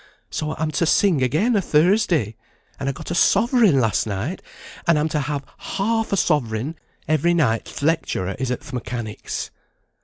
So I'm to sing again o' Thursday; and I got a sovereign last night, and am to have half a sovereign every night th' lecturer is at th' Mechanics'."